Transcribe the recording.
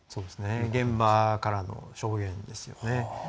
現場からの証言ですよね。